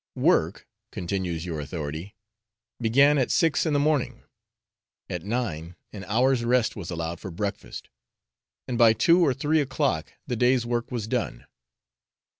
'Work,' continues your authority, 'began at six in the morning, at nine an hour's rest was allowed for breakfast, and by two or three o'clock the day's work was done.'